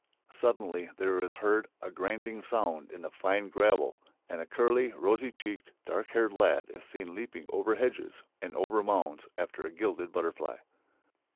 Suddenly there is heard a grinding sound in the fine gravel and a curly, rosy cheeked, dark haired lad is seen leaping over hedges and over mounds after a gilded butterfly....